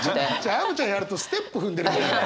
アヴちゃんやるとステップ踏んでるみたいなのよ。